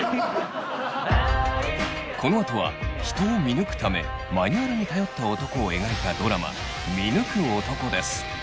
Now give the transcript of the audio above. このあとは人を見抜くためマニュアルに頼った男を描いたドラマ「見抜く男」です。